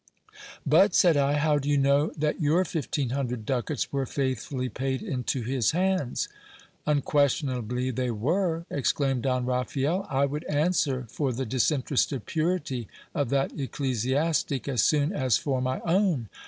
But, said I, how do you know that your fifteen hundred ducats were faithfully paid into his hands ? Unquestionably they were ! exclaimed Don Raphael ; I would answer for the disinterested purity of that ecclesiastic as soon as for my own.